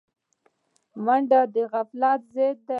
منډه د غفلت ضد ده